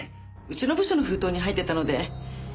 うちの部署の封筒に入ってたので。